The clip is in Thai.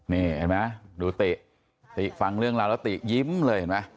นี่ไนยฮะดูติฟังเรื่องราวแล้วติยิ้มเลยไนไหม